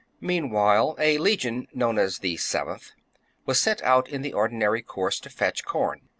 32. Meanwhile a legion, known as the 7th, was sent out in the ordinary course to fetch corn.